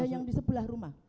dan yang di sebelah rumah